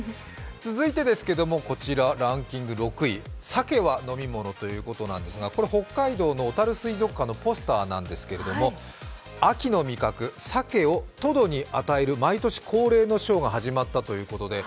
続いてランキング６位、鮭は飲み物ということですがこれ北海道のおたる水族館のポスターなんですけれど、秋の味覚、鮭をトドに与える毎年恒例のショーが始まったということです。